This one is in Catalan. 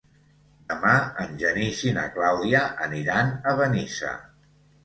Demà en Genís i na Clàudia aniran a Benissa.